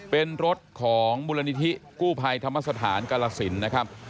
เป็นรถของมูลนิธิกู้ภัยธรรมสถานกาลสินนะครับ